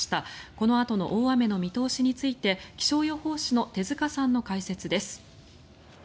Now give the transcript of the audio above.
このあとの大雨の見通しについて気象予報士の手塚さんの解説です。